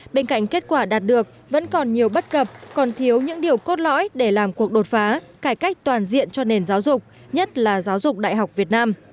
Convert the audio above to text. bên cạnh kết quả đạt được vẫn còn nhiều bất cập còn thiếu những điều cốt lõi để làm cuộc đột phá cải cách toàn diện cho nền giáo dục nhất là giáo dục đại học việt nam